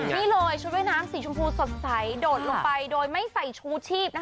นี่เลยชุดว่ายน้ำสีชมพูสดใสโดดลงไปโดยไม่ใส่ชูชีพนะคะ